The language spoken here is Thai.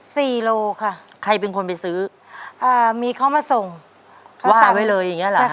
โลค่ะใครเป็นคนไปซื้ออ่ามีเขามาส่งว่าไว้เลยอย่างเงี้เหรอ